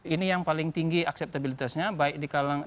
ini yang paling tinggi akseptabilitasnya baik di kalangan